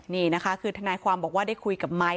นี่นะคะคือทนายความบอกว่าได้คุยกับไม้